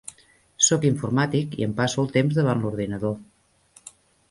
Soc informàtic i em passo el temps davant l'ordinador.